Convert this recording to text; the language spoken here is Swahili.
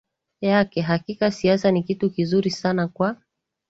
yake Hakika siasa ni kitu kizuri sana kwa